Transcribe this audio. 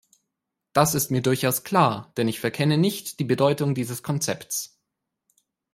Das ist mir durchaus klar, denn ich verkenne nicht die Bedeutung dieses Konzepts.